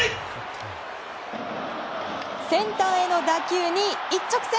センターへの打球に一直線。